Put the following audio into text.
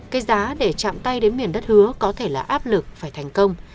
cái giá để chạm tay đến miền đất hứa có thể là áp lực phải thành công